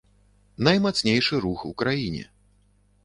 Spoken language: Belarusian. Наймацнейшы рух у краіне.